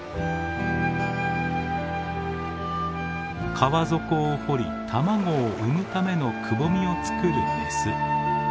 川底を掘り卵を産むためのくぼみを作るメス。